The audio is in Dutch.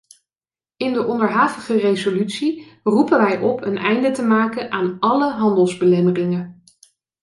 In de onderhavige resolutie roepen wij op een einde te maken aan alle handelsbelemmeringen.